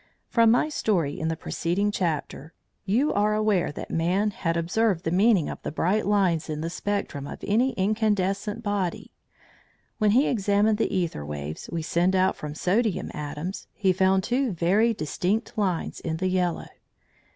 From my story in the preceding chapter, you are aware that man had observed the meaning of the bright lines in the spectrum of any incandescent body. When he examined the æther waves we send out from sodium atoms, he found two very distinct lines in the yellow.